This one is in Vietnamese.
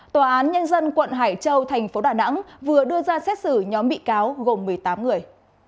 tòa án nhân dân quận hải châu thành phố đà nẵng vừa đưa ra xét xử nhóm bị cáo gồm một mươi tám người